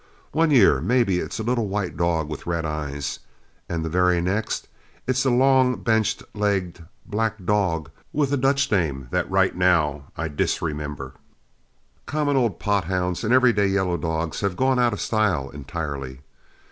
One year maybe it's a little white dog with red eyes, and the very next it's a long bench legged, black dog with a Dutch name that right now I disremember. Common old pot hounds and everyday yellow dogs have gone out of style entirely.